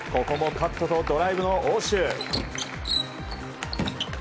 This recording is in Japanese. ここもカットとドライブの応酬。